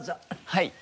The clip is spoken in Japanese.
はい。